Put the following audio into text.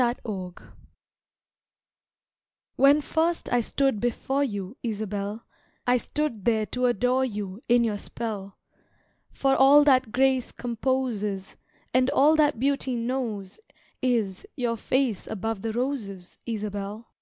Isabel When first I stood before you, Isabel, I stood there to adore you, In your spell; For all that grace composes, And all that beauty knows is Your face above the roses, Isabel.